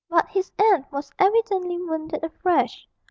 But his aunt was evidently wounded afresh.